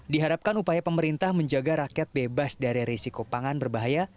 diharapkan upaya pemerintah menjaga rakyat bebas dari risiko pangan berbahaya